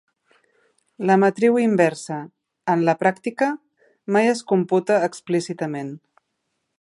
La matriu inversa, en la pràctica, mai es computa explícitament.